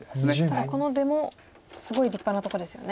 ただこの出もすごい立派なとこですよね。